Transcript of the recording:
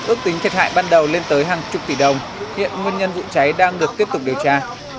ước tính thiệt hại ban đầu lên tới hàng chục tỷ đồng hiện nguyên nhân vụ cháy đang được tiếp tục điều tra